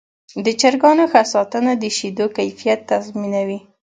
د چرګانو ښه ساتنه د شیدو کیفیت تضمینوي.